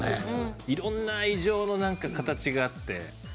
いろんな愛情の形があって。